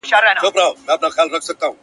نه دى مړ احساس يې لا ژوندى د ټولو زړونو كي.